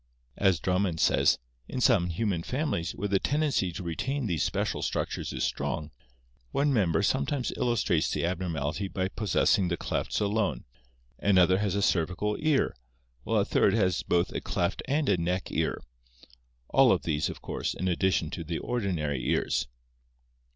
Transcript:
As Drummond says: " In some human families, where the tendency to retain these special structures is strong, one member sometimes illustrates the abnor mality by possessing the clefts alone, another has a cervical ear, while a third has both a cleft and a neck ear — all of these, of course, in addition to the ordinary ears."